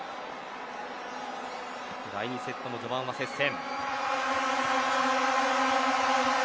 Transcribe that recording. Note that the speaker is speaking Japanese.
第２セットも序盤は接戦。